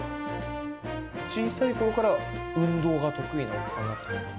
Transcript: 小さいころから運動が得意なお子さんだったんですか？